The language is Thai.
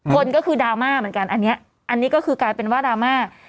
คนก็คือดราม่าเหมือนกันอันนี้อันนี้ก็คือกลายเป็นว่าดราม่า